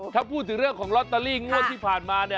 ถ้าพูดถึงเรื่องของลอตเตอรี่งวดที่ผ่านมา